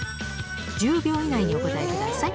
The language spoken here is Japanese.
１０秒以内にお答えください。